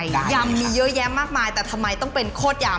ยำมีเยอะแยะมากมายแต่ทำไมต้องเป็นโคตรยำ